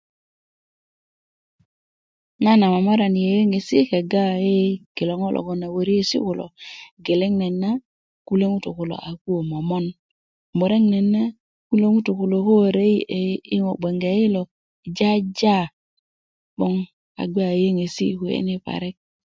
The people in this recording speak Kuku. nan a momorani yoyoŋesi i kilo ŋo 'ogon a wöriesi kulo geleŋ nayit na kule ŋutu kulo a kuwo momon murek nayit na kule ŋutu kulo ko wörö i ŋo gbe i lo jaja a gbe a yoŋit kuweni parik